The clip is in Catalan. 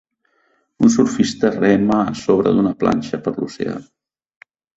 Un surfista rema a sobra d'una planxa per l'oceà.